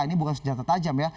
ini bukan senjata tajam ya